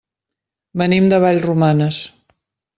Venim de Vallromanes.